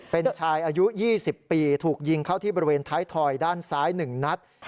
เป็นชายอายุ๒๐ปีถูกยิงเข้าที่บริเวณท้ายถอยด้านซ้าย๑นัด